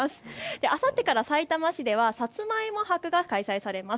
あさってからさいたま市ではさつまいも博が開催されます。